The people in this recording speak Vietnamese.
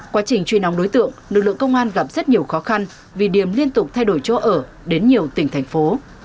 quá trình truy nong đối tượng lực lượng công an gặp rất nhiều khó khăn vì điềm liên tục thay đổi chỗ ở đến nhiều tỉnh thành phố